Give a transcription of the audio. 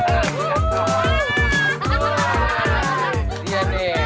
aduh kadang kadang liat deh kan